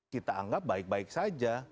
kita anggap baik baik saja